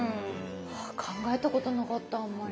考えたことなかったあんまり。